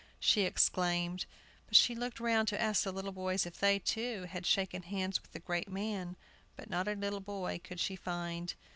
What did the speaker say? she exclaimed. But she looked round to ask the little boys if they, too, had shaken hands with the great man, but not a little boy could she find.